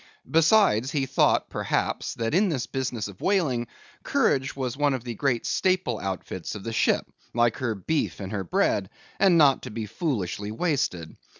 Besides, he thought, perhaps, that in this business of whaling, courage was one of the great staple outfits of the ship, like her beef and her bread, and not to be foolishly wasted.